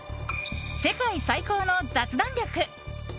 「世界最高の雑談力」。